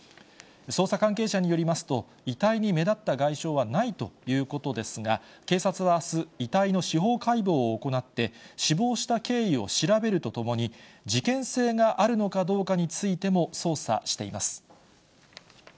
捜査関係者によりますと、遺体に目立った外傷はないということですが、警察はあす、遺体の司法解剖を行って、死亡した経緯を調べるとともに、事件性があるのかどうかについても捜査しています。